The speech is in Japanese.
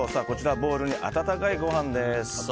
ボウルに温かいご飯です。